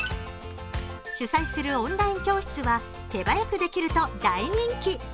主催するオンライン教室は手早くできると大人気。